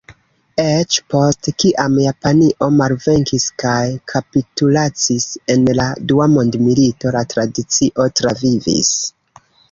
Eĉ post kiam Japanio malvenkis kaj kapitulacis en la Dua Mondmilito, la tradicio travivis.